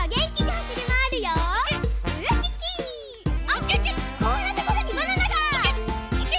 あっこんなところにバナナが！